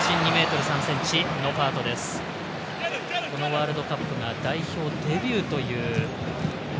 このワールドカップが代表デビューという２ｍ３ｃｍ。